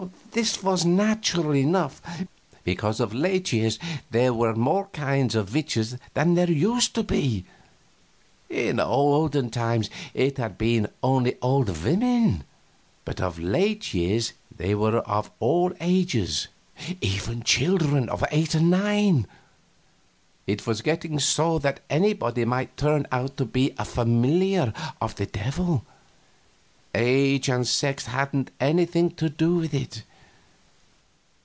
This was natural enough, because of late years there were more kinds of witches than there used to be; in old times it had been only old women, but of late years they were of all ages even children of eight and nine; it was getting so that anybody might turn out to be a familiar of the Devil age and sex hadn't anything to do with it.